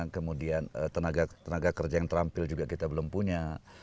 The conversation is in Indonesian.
kemudian tenaga tenaga kerja yang terampil juga kita belum punya